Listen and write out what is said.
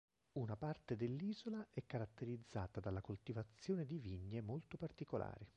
Una parte dell'isola è caratterizzata dalla coltivazione di vigne molto particolari.